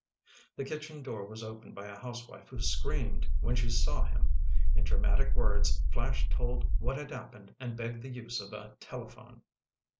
The kitchen door was opened by a housewife who screamed when she saw him. In dramatic words, Flash told what had happened and begged the use of a telephone.